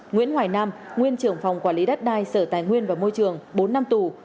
nguyễn hoài nam nguyên trưởng phòng quản lý đất đai sở tài nguyên và môi trường bốn năm tù